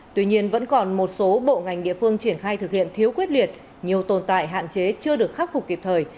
tuy nhiên vẫn còn một số bộ ngành địa phương triển khai thực hiện thiếu quyết liệt nhiều tồn tại hạn chế chưa được khắc phục kịp thời